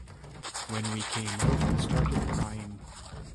When we came out, he started crying.